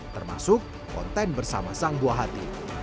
termasuk konten bersama sang buah hati